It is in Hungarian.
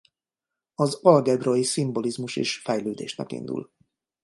Az algebrai szimbolizmus is fejlődésnek indul.